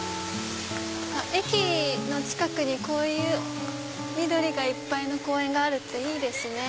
駅の近くにこういう緑がいっぱいの公園があるっていいですね。